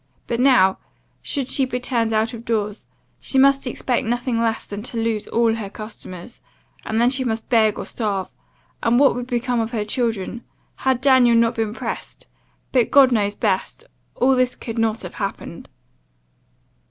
But now, should she be turned out of doors, she must expect nothing less than to lose all her customers, and then she must beg or starve and what would become of her children? 'had Daniel not been pressed but God knows best all this could not have happened.